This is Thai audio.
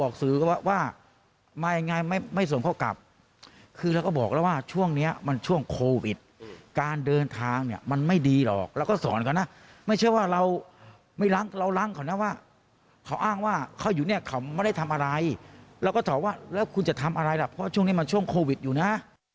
ช่วงนี้มันช่วงโควิดการเดินทางเนี่ยมันไม่ดีหรอกเราก็สอนเขานะไม่ใช่ว่าเราไม่ล้างเราล้างเขานะว่าเขาอ้างว่าเขาอยู่เนี่ยเขาไม่ได้ทำอะไรเราก็ถามว่าแล้วคุณจะทำอะไรล่ะเพราะช่วงนี้มันช่วงโควิดอยู่นะ